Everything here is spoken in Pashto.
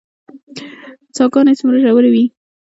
څاه ګانې څومره ژورې وي؟